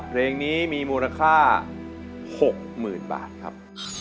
เพลงนี้มีมูลค่า๖๐๐๐บาทครับ